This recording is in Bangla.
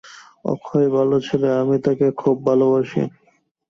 অক্ষয় ভাল ছেলে, আমি তাকে খুব ভালবাসি।